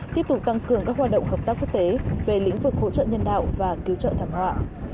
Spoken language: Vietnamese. tiếp tục tăng cường các hoạt động hợp tác quốc tế về lĩnh vực hỗ trợ nhân đạo và cứu trợ thảm họa